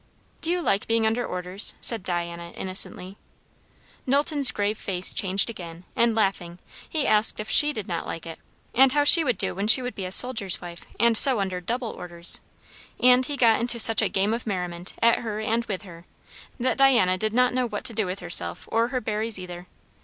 "Do you like being under orders?" said Diana innocently. Knowlton's grave face changed again; and laughing, he asked if she did not like it? and how she would do when she would be a soldier's wife, and so under double orders? And he got into such a game of merriment, at her and with her, that Diana did not know what to do with herself or her berries either.